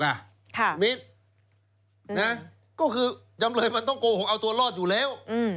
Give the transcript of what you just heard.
มิตรนะก็คือจำเลยมันต้องโกหกเอาตัวรอดอยู่แล้ว